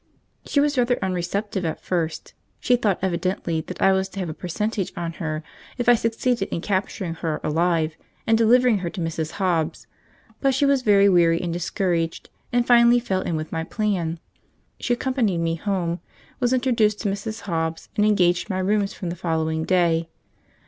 She was rather unreceptive at first; she thought evidently that I was to have a percentage on her, if I succeeded in capturing her alive and delivering her to Mrs. Hobbs; but she was very weary and discouraged, and finally fell in with my plans. She accompanied me home, was introduced to Mrs. Hobbs, and engaged my rooms from the following day.